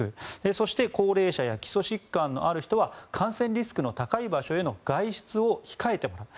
そして高齢者や基礎疾患のある人は感染リスクの高い場所への外出を控えてもらう。